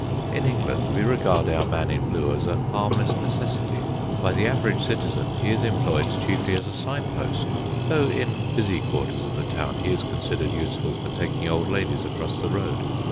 In England we regard our man in blue as a harmless necessity. By the average citizen he is employed chiefly as a signpost, though in busy quarters of the town he is considered useful for taking old ladies across the road.